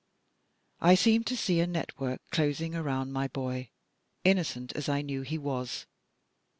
I seemed to see a network closing arotmd my boy, innocent as I knew he was.